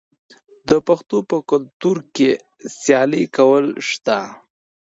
د پښتنو په کلتور کې سیالي کول شته.